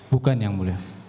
bukan yang mulia